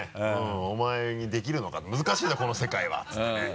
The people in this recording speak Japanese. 「お前にできるのか難しいぞこの世界は」って言ってね。